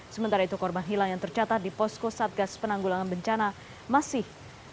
sementara itu korban hilang yang tercatat di posko satgas penanggulangan bencana masih